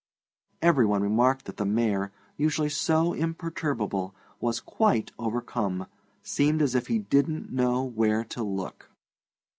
Everyone remarked that the Mayor, usually so imperturbable, was quite overcome seemed as if he didn't know where to look.